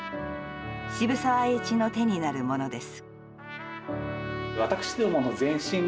渋沢栄一の手になるものです。